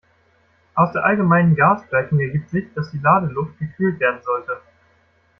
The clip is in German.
Aus der allgemeinen Gasgleichung ergibt sich, dass die Ladeluft gekühlt werden sollte.